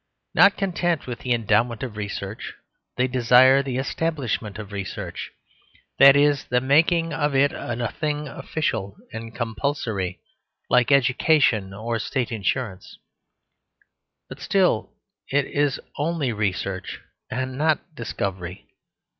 Not content with the endowment of research, they desire the establishment of research; that is the making of it a thing official and compulsory, like education or state insurance; but still it is only research and not discovery.